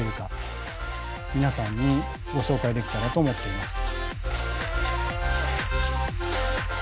皆さんにご紹介できたらと思っています。